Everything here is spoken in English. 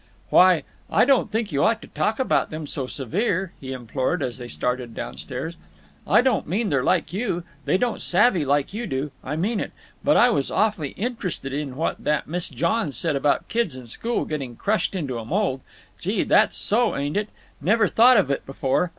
"Why, I don't think you ought to talk about them so severe," he implored, as they started down stairs. "I don't mean they're like you. They don't savvy like you do. I mean it! But I was awful int'rested in what that Miss Johns said about kids in school getting crushed into a mold. Gee! that's so; ain't it? Never thought of it before.